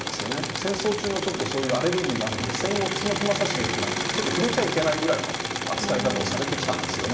戦争中のちょっとそういうアレルギーがあるんで戦後楠木正成っていうのはちょっと触れちゃいけないぐらいの扱い方をされてきたんですよね。